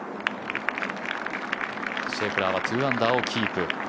シェフラーは２アンダーをキープ。